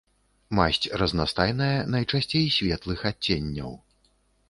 Масць разнастайная, найчасцей светлых адценняў.